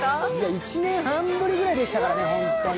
１年半ぶりぐらいでしたからね、本当に。